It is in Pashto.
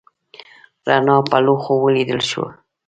رڼا په لوښو ولیدل شوه.